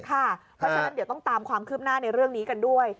เพราะฉะนั้นเดี๋ยวต้องตามความคืบหน้าในเรื่องนี้กันด้วย